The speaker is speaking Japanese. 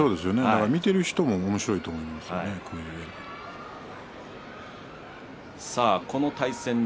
見ている人もおもしろいと思いますね、こういう感じは。